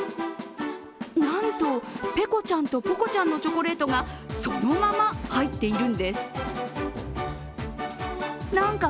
なんとペコちゃんとポコちゃんのチョコレートがそのまま入っているんです。